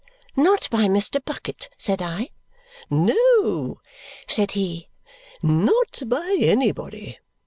"Not by Mr. Bucket?" said I. "No," said he. "Not by anybody.